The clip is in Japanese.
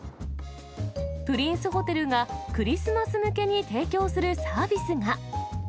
プリンスホテルが、クリスマス向けに提供するサービスが。